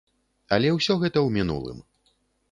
Але ўсё гэта ў мінулым.